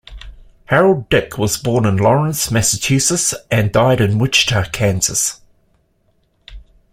Harold Dick was born in Lawrence, Massachusetts and died in Wichita, Kansas.